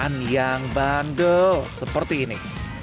makanan yang bandel seperti ini